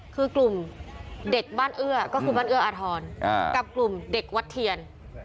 คือกลุ่มเด็กบ้านเอื้อก็คือบ้านเอื้ออาทรกับกลุ่มเด็กวัดเทียน